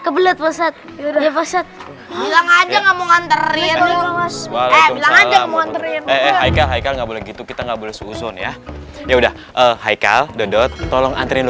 kebelet ustadz ya ustadz pulang aja gak mau nganterin lu ya ustadz ya ustadz pulang aja gak mau nganterin lu ya ustadz pulang aja gak mau nganterin lu